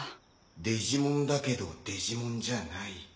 デジモンだけどデジモンじゃない。